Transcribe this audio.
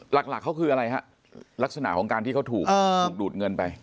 หลักเขาคืออะไรฮะลักษณะของการที่เขาถูกดูดเงินไป